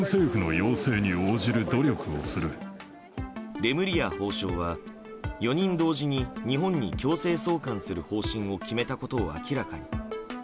レムリヤ法相は、４人同時に日本に強制送還する方針を決めたことを明らかに。